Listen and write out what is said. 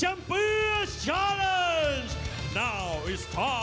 ดังบรรยากาศ